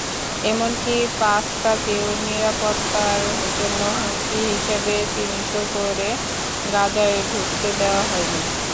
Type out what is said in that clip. এমনকি পাস্তাকেও নিরাপত্তার জন্য হুমকি হিসেবে চিহ্নিত করে গাজায় ঢুকতে দেওয়া হয়নি।